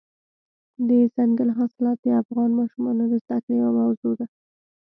دځنګل حاصلات د افغان ماشومانو د زده کړې یوه موضوع ده.